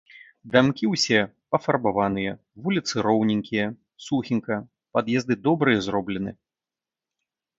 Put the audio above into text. Дамкі ўсе пафарбаваныя, вуліцы роўненькія, сухенька, пад'езды добрыя зроблены.